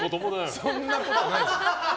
そんなことないでしょ。